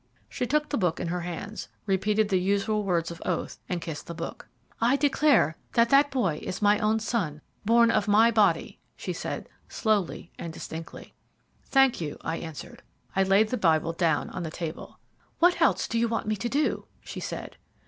She took the Book in her hands, repeated the usual words of the oath, and kissed the Book. "I declare that that boy is my own son, born of my body," she said, slowly and distinctly. "Thank you," I answered. I laid the Bible down on the table. "What else do you want me to do?" she said.